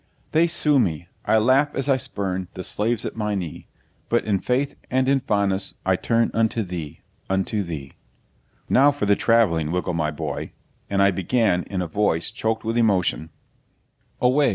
They sue me I laugh as I spurn The slaves at my knee, But in faith and in fondness I turn Unto thee, unto thee!' 'Now for the travelling, Wiggle my boy!' And I began, in a voice choked with emotion 'Away!